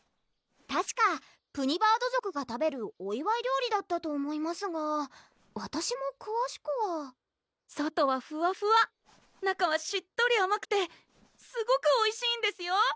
たしかプニバード族が食べるおいわい料理だったと思いますがわたしもくわしくは外はふわふわ中はしっとりあまくてすごくおいしいんですよ